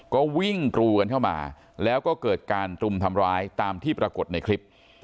ก็วิ่งกรูกันเข้ามาแล้วก็เกิดการรุมทำร้ายตามที่ปรากฏในคลิป